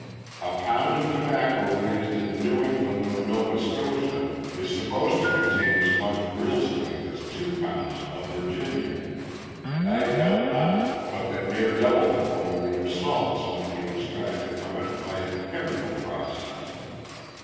A pound of tobacco raised in New England or Nova Scotia is supposed to contain as much real strength as two pounds of Virginia; and I doubt not but that near double the quantity of salts might be extracted from it by a chymical process.